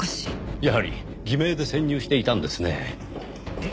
やはり偽名で潜入していたんですね。